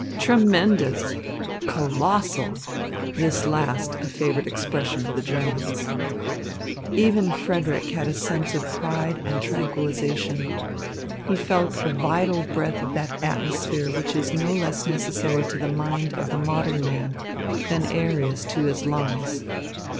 "Tremendous!" "Colossal!" this last a favourite expression of the Germans. Even Frederick had a sense of pride and tranquillisation. He felt a vital breath of that atmosphere which is no less necessary to the mind of the modern man than air is to his lungs.